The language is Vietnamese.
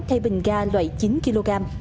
thay bình ga loại chín kg